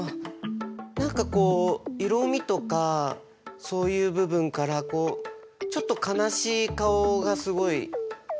何かこう色みとかそういう部分からちょっと悲しい顔がすごい伝わってくるというか。